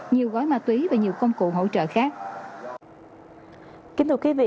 nhiều gói ma túy và nhiều công cụ hỗ trợ khác